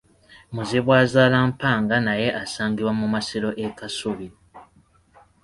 Muzibwazaalampanga naye asangibwa mu masiro e Kasubi.